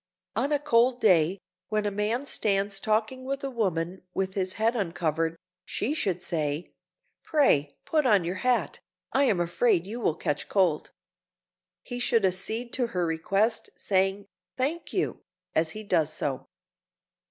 On a cold day, when a man stands talking with a woman with his head uncovered, she should say, "Pray put on your hat! I am afraid you will catch cold." He should accede to her request, saying "Thank you!" as he does so.